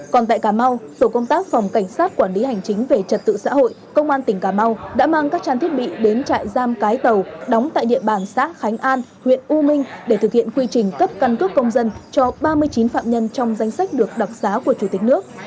còn tại cà mau tổ công tác phòng cảnh sát quản lý hành chính về trật tự xã hội công an tỉnh cà mau đã mang các trang thiết bị đến trại giam cái tàu đóng tại địa bàn xã khánh an huyện u minh để thực hiện quy trình cấp căn cước công dân cho ba mươi chín phạm nhân trong danh sách được đặc xá của chủ tịch nước